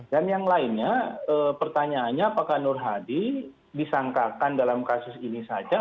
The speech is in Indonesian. dan yang lainnya pertanyaannya apakah nur hadi disangkakan dalam kasus ini saja